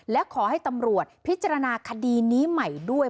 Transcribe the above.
และขอให้ตำรวจพิจารณาคดีนี้ใหม่ด้วย